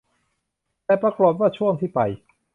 แต่ปรากฎว่าช่วงที่ไป